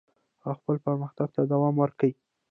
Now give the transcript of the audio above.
او خپل پرمختګ ته دوام ورکوي.